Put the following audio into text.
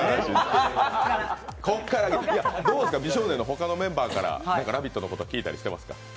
どうですか、美少年の他のメンバーから「ラヴィット！」のこと聞いたりしてますか？